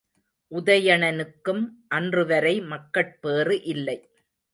உதயணனுக்கும் அன்றுவரை மக்கட்பேறு இல்லை.